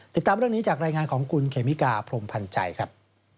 ติดตามเรื่องนี้จากรายงานของคุณเคมิกาพรมพันธ์ใจครับ